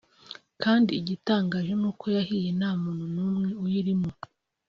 kandi igitangaje n’uko yahiye nta muntu n’umwe uyirimo”